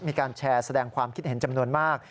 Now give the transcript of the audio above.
มีการแชร์แสดงความคิดเห็นจำนวนมาก